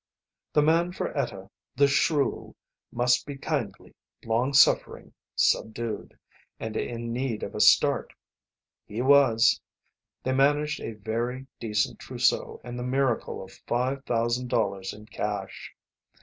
The man for Etta, the shrew, must be kindly, long suffering, subdued and in need of a start. He was. They managed a very decent trousseau and the miracle of five thousand dollars in cash.